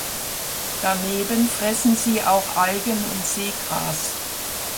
Daneben fressen sie auch Algen und Seegras.